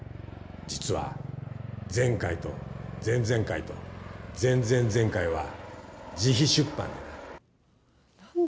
実は前回と前々回と前々々回は自費出版でな。